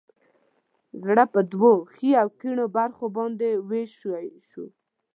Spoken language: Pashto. زړه په دوو ښي او کیڼو برخو باندې ویش شوی.